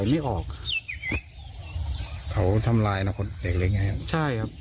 ไม่ทราบครับ